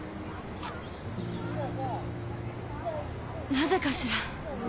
なぜかしら。